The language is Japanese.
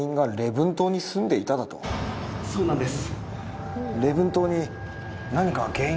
そうなんです。